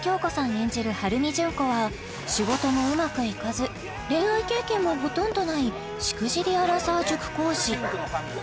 演じる春見順子は仕事もうまくいかず恋愛経験もほとんどないしくじりアラサー塾講師